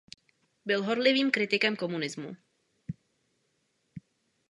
Byl horlivým kritikem komunismu.